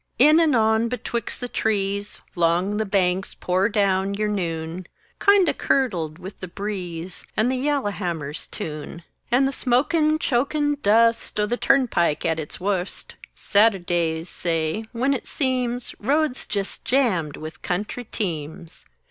In and on betwixt the trees 'Long the banks, pour down yer noon, Kindo' curdled with the breeze And the yallerhammer's tune; And the smokin', chokin' dust O' the turnpike at its wusst Saturd'ys, say, when it seems Road's jes jammed with country teams!